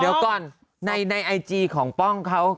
เดี๋ยวก่อนในไอจีของป้องเขา